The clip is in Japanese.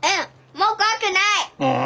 もう怖くない！